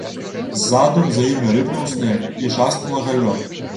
Ззаду за імі рыпнуў снег і шаснула галлё.